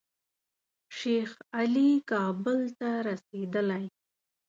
شیخ علي کابل ته رسېدلی.